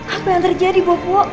apa yang terjadi bopo